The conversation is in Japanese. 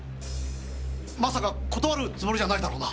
まさか断るつもりじゃないだろうな？